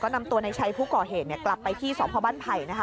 นำตัวในชัยผู้ก่อเหตุกลับไปที่สพบ้านไผ่นะคะ